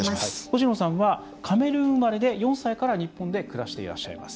星野さんはカメルーン生まれで４歳から日本で暮らしていらっしゃいます。